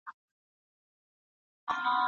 امرمنونکي او واکمنان سره وپېژنئ.